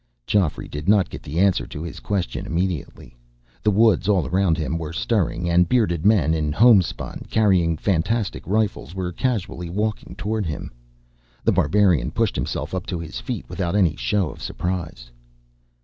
Geoffrey did not get the answer to his question immediately. The woods all around him were stirring, and bearded men in homespun, carrying fantastic rifles, were casually walking toward him. The Barbarian pushed himself up to his feet without any show of surprise.